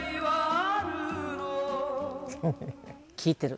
聴いてる。